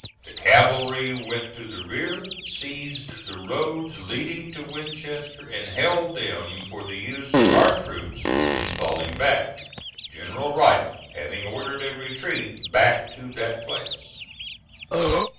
The cavalry went to the rear, seized the roads leading to Winchester and held them for the use of our troops in falling back, General Wright having ordered a retreat back to that place.